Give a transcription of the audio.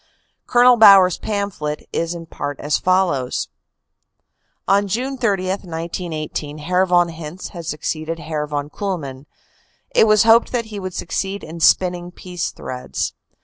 Col. Bauer s pamphlet is in part as follows : "On June 30, 1918, Herr von Hintze had succeeded Herr von Kuhlmann. It was hoped that he would succeed in spin ning peace threads.